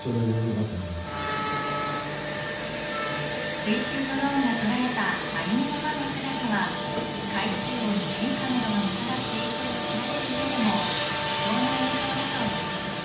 水中ドローンが捉えたありのままの姿は海水温の変化などがもたらす影響を調べる上でも貴重な映像だということです。